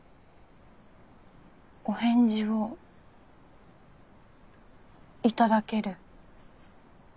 お返事を頂ける？